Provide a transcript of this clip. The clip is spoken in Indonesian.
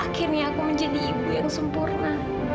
akhirnya aku menjadi ibu yang sempurna